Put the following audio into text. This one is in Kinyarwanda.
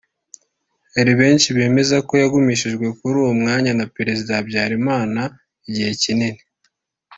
hari benshi bemeza ko yagumishijwe kuri uwo mwanya na Perezida Habyarimana igihe kinini